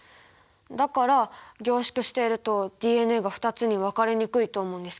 だから凝縮しているとＤＮＡが２つに分かれにくいと思うんですけど。